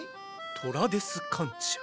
・トラデスカンチア。